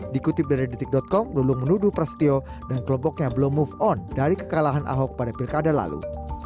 dikutip dari detik com lulung menuduh prasetyo dan kelompoknya belum move on dari kekalahan ahok pada pilkada lalu